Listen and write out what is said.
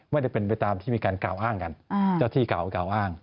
ไม่ได้เป็นไปตามที่มีการกล่าวอ้างกันเจ้าที่เก่ากล่าวอ้าง